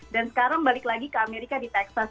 dan sekarang balik lagi ke amerika di texas